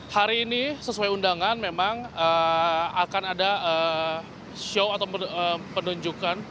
hari ini sesuai undangan memang akan ada show atau penunjukan